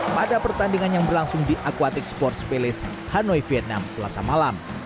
pada pertandingan yang berlangsung di aquatic sports palace hanoi vietnam selasa malam